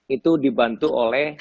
itu dibantu oleh